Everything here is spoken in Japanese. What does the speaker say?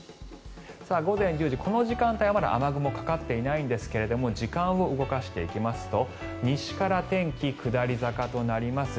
午前１０時、この時間帯はまだ雨雲かかっていないんですが時間を動かしていきますと西から天気、下り坂となります。